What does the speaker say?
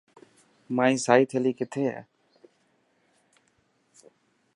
مائي سائي ٿيلي ڪٿي هي؟